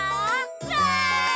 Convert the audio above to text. わい！